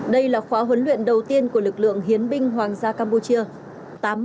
đây là khóa huấn luyện đầu tiên của lực lượng hiến binh hoàng gia campuchia